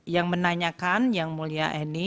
yang menanyakan yang mulia eni